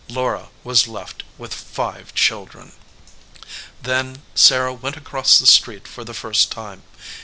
Laura was left with five children. Then Sarah went across the street for the first time.